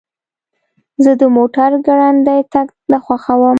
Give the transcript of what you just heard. زه د موټر ګړندی تګ نه خوښوم.